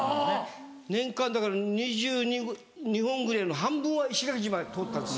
年間だから２２本ぐらいの半分は石垣島通ったんです。